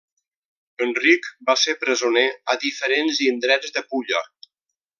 Enric va ser presoner a diferents indrets de Pulla.